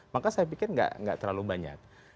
maka saya pikir nggak terlalu banyak